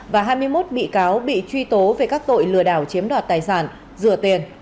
và hai mươi một bị cáo bị truy tố về các tội lừa đảo chiếm đoạt tài sản rửa tiền